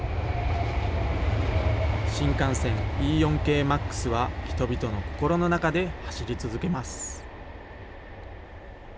新幹線Ｅ４系Ｍａｘは、人々の心の中で走り続けます。